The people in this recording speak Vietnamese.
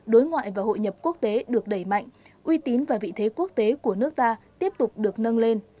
đối ngoại và hội nhập quốc tế được đẩy mạnh uy tín và vị thế quốc tế của nước ta tiếp tục được nâng lên